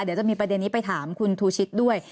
เดี๋ยวจะมีประเด็นนี้ไปถามคุณทูชิตด้วย